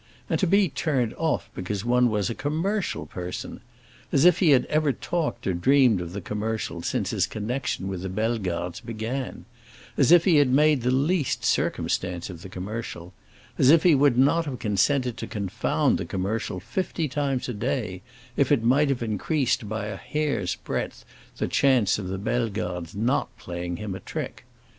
And to be turned off because one was a commercial person! As if he had ever talked or dreamt of the commercial since his connection with the Bellegardes began—as if he had made the least circumstance of the commercial—as if he would not have consented to confound the commercial fifty times a day, if it might have increased by a hair's breadth the chance of the Bellegardes' not playing him a trick!